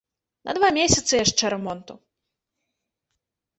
На два месяцы яшчэ рамонту.